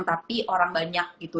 tapi orang banyak gitu